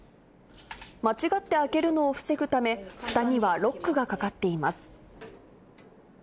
間違って開けるのを防ぐため、ふたにはロックがかかっています。